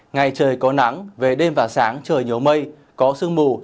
ngày trời có nắng về đêm và sáng trời nhớ mây có sương mù